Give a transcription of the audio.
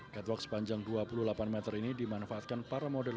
headlock sepanjang dua puluh delapan meter ini dimanfaatkan para model